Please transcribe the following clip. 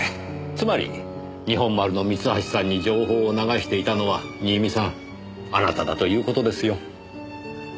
つまり日本丸の三橋さんに情報を流していたのは新見さんあなただという事ですよ。